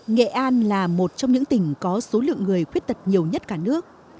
nghệ an là một trong những tỉnh có số lượng người khuyết tật nhiều nhất cả nước